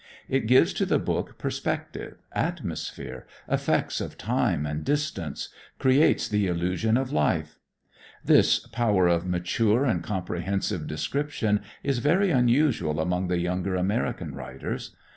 It gives to the book perspective, atmosphere, effects of time and distance, creates the illusion of life. This power of mature and comprehensive description is very unusual among the younger American writers.